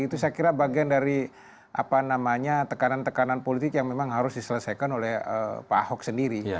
itu saya kira bagian dari tekanan tekanan politik yang memang harus diselesaikan oleh pak ahok sendiri